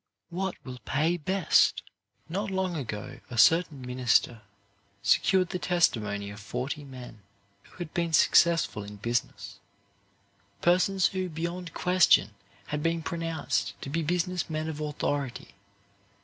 What will pay best? Not long ago a certain minister secured the tes timony of forty men who had been successful in business, persons who beyond question had been pronounced to be business men of authority.